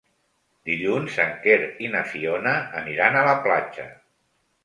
Dilluns en Quer i na Fiona aniran a la platja.